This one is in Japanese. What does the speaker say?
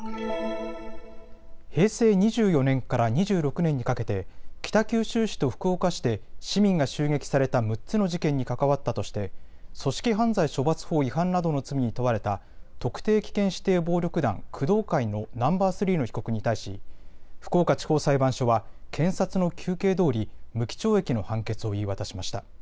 平成２４年から２６年にかけて北九州市と福岡市で市民が襲撃された６つの事件に関わったとして組織犯罪処罰法違反などの罪に問われた特定危険指定暴力団工藤会のナンバー３の被告に対し、福岡地方裁判所は検察の求刑どおり無期懲役の判決を言い渡しました。